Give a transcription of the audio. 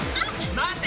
待て！